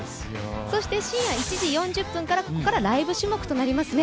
そして深夜１時４０分、ここからライブ種目となりますね。